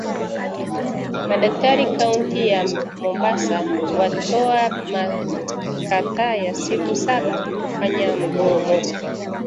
MADAKTARI KAUNTI YA MOMBASA WATOA MAKATAA YA SIKU SABA KUFANYA MGOMO